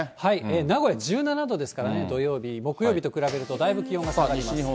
名古屋１７度ですからね、土曜日、木曜日と比べるとだいぶ気温が下がります。